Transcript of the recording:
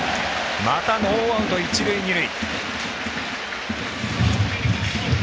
またノーアウト、一塁二塁。